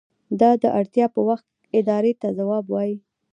دا د اړتیا په وخت ادارې ته ځواب وايي.